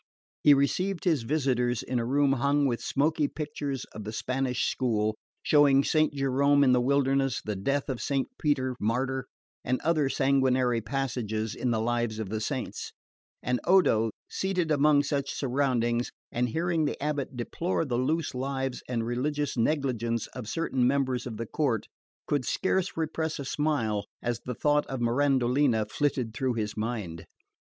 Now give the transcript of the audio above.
He received his visitors in a room hung with smoky pictures of the Spanish school, showing Saint Jerome in the wilderness, the death of Saint Peter Martyr, and other sanguinary passages in the lives of the saints; and Odo, seated among such surroundings, and hearing the Abbot deplore the loose lives and religious negligence of certain members of the court, could scarce repress a smile as the thought of Mirandolina flitted through his mind.